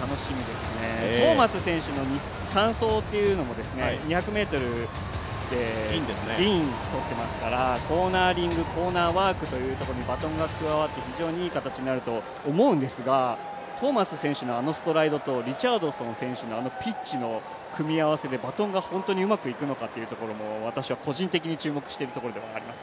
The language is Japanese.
楽しみですね、トーマス選手の３走というのも２００ｍで銀を取っていますからコーナリング、コーナーワークというところにバトンが加わって非常にいい形になると思うんですが、トーマス選手のあのストライドと、リチャードソン選手のピッチの組み合わせでバトンが本当にうまくいくのかというところも私は個人的に注目しているところではありますね。